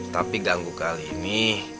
tapi ganggu kali ini